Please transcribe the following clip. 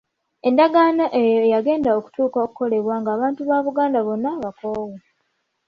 Endagaano eyo yagenda okutuuka okukolebwa ng'abantu ba Buganda bonna bakoowu.